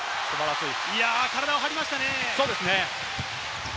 体を張りましたね。